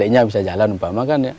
adiknya bisa jalan mpama kan ya